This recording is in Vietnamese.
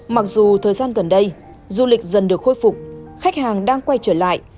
mặc dù thời gian gần đây du lịch dần được khôi phục khách hàng đang quay trở lại